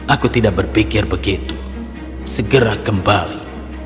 aku tidak berpikir begitu segera kembali